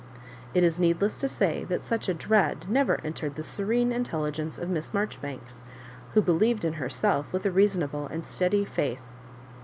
It is needless to say that such a dread never entered the serene in telligence of Miss Marjoribanks^ who believed in herself with a reasonable and steady faith.